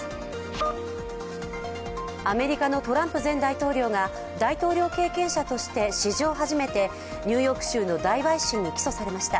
アメリカのトランプ前大統領が大統領経験者として史上初めてニューヨーク州の大陪審に起訴されました。